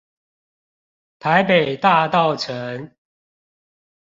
台北大稻埕